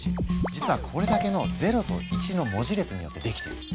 実はこれだけの「０」と「１」の文字列によって出来ている。